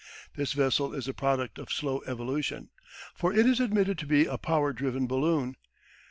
This vessel is the product of slow evolution, for it is admitted to be a power driven balloon.